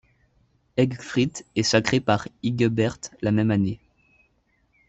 Ecgfrith est sacré par Hygeberht la même année.